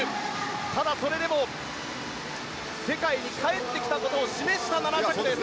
ただ、それでも世界に帰ってきたことを示した７着です。